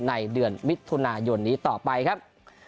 ในเดือนมิถุนายนนี้ต่อไปครับ